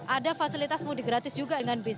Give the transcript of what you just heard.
ada fasilitas mudik gratis juga dengan bis